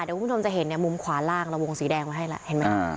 เดี๋ยวคุณผู้ชมจะเห็นมุมขวาล่างละวงสีแดงเข้าให้ล่ะเห็นมั้ย